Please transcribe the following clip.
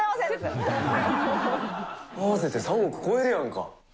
合わせて３億超えるやんか。